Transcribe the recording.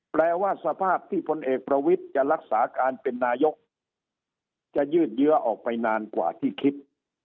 แปรว่าสภาพที่พลเอกประวิจัยจะรักษาการเป็นนาชนิด